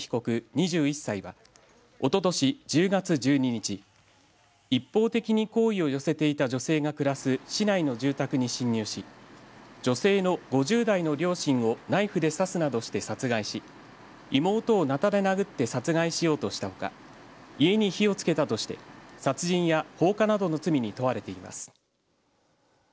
２１歳はおととし１０月１２日一方的に好意を寄せていた女性が暮らす市内の住宅に侵入し女性の５０代の両親をナイフで刺すなどして殺害し妹をなたで殴って殺害しようとしたほか家に火をつけたとして殺人や放火などの罪に問われています。